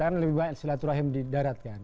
karena lebih banyak silaturahim di darat kan